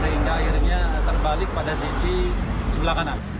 sehingga akhirnya terbalik pada sisi sebelah kanan